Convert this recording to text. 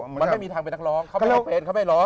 มันไม่มีทางเป็นนักร้องเขาไม่ร้องเพลงเขาไม่ร้อง